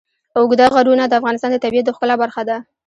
اوږده غرونه د افغانستان د طبیعت د ښکلا برخه ده.